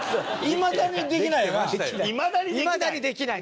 いまだにできないよな？